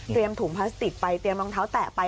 เตรียมถุงพลาสติกไปเตรียมท้องเท้าแตะไป